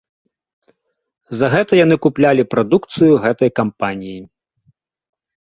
За гэта яны куплялі прадукцыю гэтай кампаніі.